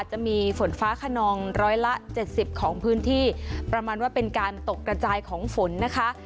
จะมีฝนฟ้าขนองร้อยละเจ็ดสิบของพื้นที่ประมาณว่าเป็นการตกกระจายของฝนนะคะ